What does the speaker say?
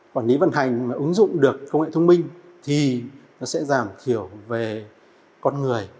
quản lý vận hành mà ứng dụng được công nghệ thông minh thì nó sẽ giảm thiểu về con người